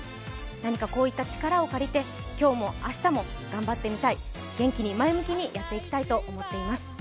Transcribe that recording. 何かこういった力を借りて今日も明日も頑張ってみたい元気に前向きに頑張っていきたいと思います。